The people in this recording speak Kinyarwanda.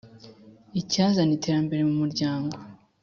icyazana iterambere mu muryango